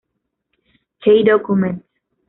Key Documents